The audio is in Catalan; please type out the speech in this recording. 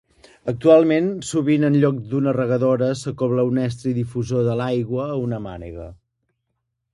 Actualment sovint en lloc d'una regadora s'acobla un estri difusor de l'aigua a una mànega.